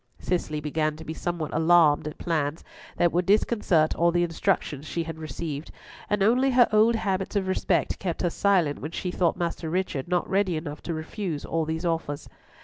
Cicely began to be somewhat alarmed at plans that would disconcert all the instructions she had received, and only her old habits of respect kept her silent when she thought Master Richard not ready enough to refuse all these offers.